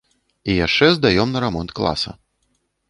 І яшчэ здаём на рамонт класа.